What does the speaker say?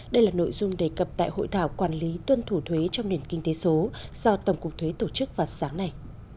đây là nội dung đề cập tại hội thảo quản lý tuân thủ thuế trong nền kinh tế số do tổng cục thuế tổ chức vào sáng nay